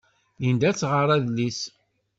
Linda ad tɣer adlis.